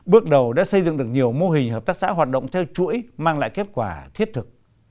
bước đầu đã xây dựng được nhiều mô hình hợp tác xã hoạt động theo chuỗi mang lại kết quả thiết thực